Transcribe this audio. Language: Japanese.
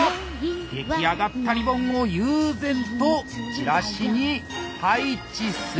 出来上がったリボンを悠然とチラシに配置する。